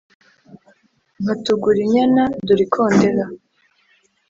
nkatugura inyana; dore ikondera.